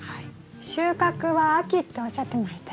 収穫は秋っておっしゃってましたよね？